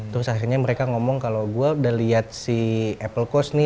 terus akhirnya mereka ngomong kalau gue udah lihat si apple cost nih